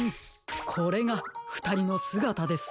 これがふたりのすがたです。